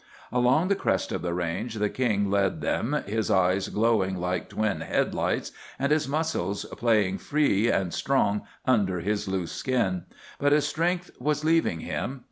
Along the crest of the range the King led them, his eyes glowing like twin headlights, and his muscles playing free and strong under his loose skin. But his strength was leaving him.